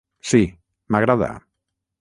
Sí, m'agrada.